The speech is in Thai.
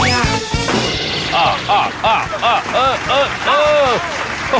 อะอะเออเออ